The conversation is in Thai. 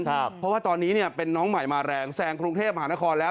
เพราะว่าตอนนี้เนี่ยเป็นน้องใหม่มาแรงแซงกรุงเทพมหานครแล้ว